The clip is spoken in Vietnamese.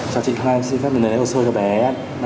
chào chị thái xin phép mình lấy hộ sơ cho bé đích tuấn hoàng ạ